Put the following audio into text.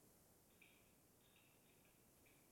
三辅各地起兵对抗更始帝军。